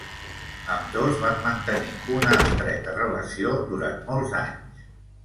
Ambdós van mantenir una estreta relació durant molts anys.